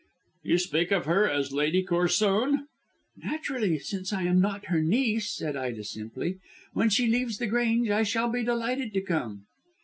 "You speak of her as Lady Corsoon?" "Naturally, since I am not her niece," said Ida simply. "When she leaves The Grange I shall be delighted to come."